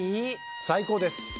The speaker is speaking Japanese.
最高です！